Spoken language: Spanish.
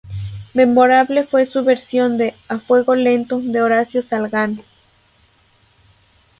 Memorable fue su versión de "A fuego lento" de Horacio Salgán.